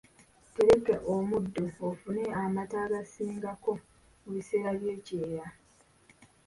Tereka omuddo ofune amata agasingako mu biseera by’ekyeya